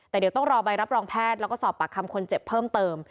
แต่เดี๋ยวต้องรอใบรับรองแพทย์แล้วก็สอบปากคำคนเจ็บเพิ่มเติม